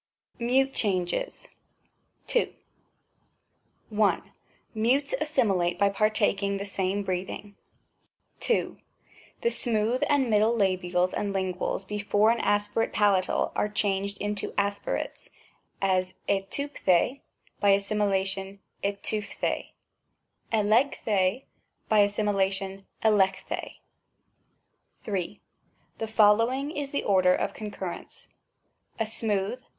MUTE CHANGES. 2. I. Mutes assimilate by partaking the same breathing. II. The smooth and middle labials and Unguals before an aspirate palatal are changed into aspirates, as irvTv d rj by assimilation hytp d^riy iXsy ^i] by assimilation iXex O^n* ni. The following is the order of concurrence: a smooth